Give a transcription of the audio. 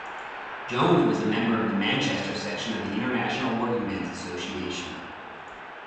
Jones was a member of the Manchester section of the International Workingmen's Association.